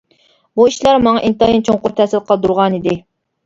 بۇ ئىشلار ماڭا ئىنتايىن چوڭقۇر تەسىر قالدۇرغانىدى.